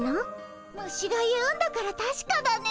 虫が言うんだからたしかだね。